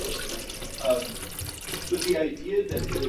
Together, alkanes are known as the "paraffin series".